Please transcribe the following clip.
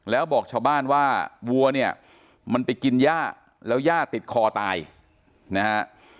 แล้วบอกชาวบ้านว่าวัวเนี่ยมันไปกินย่าแล้วย่าติดคอตายนะฮะ